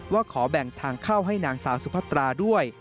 ขอแบ่งทางเข้าให้นางสาวสุพัตราด้วย